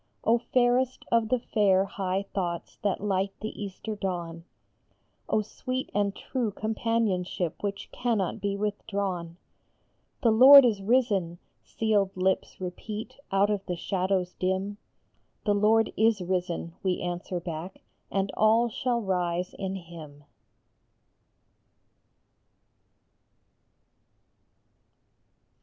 Oh, fairest of the fair, high thoughts that light the Easter dawn ! Oh, sweet and true companionship which cannot be with drawn !" The Lord is risen !" sealed lips repeat out of the shadows dim ; "The Lord is risen," we answer back, "and all shall rise in him